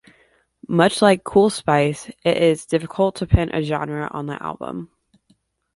Much like Kool Spice, it is difficult to pin a genre on the album.